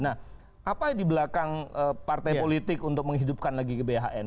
nah apa di belakang partai politik untuk menghidupkan lagi gbhn